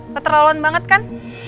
keterlaluan banget kan